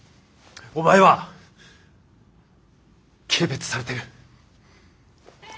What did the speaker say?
お前は軽蔑されてる。